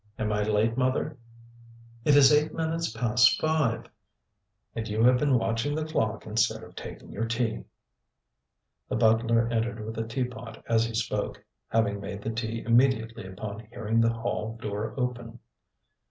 "Am I late, mother?" "It is eight minutes past five." "And you have been watching the clock instead of taking your tea." The butler entered with the tea pot as he spoke, having made the tea immediately upon hearing the hall door open.